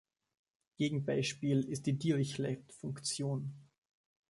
Gegenbeispiel ist die Dirichlet-Funktion.